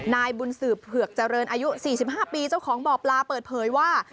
นายบุญสืบเผือกเจริญอายุ๔๕ปีเจ้าของบ่อปลาเปิดเผยว่า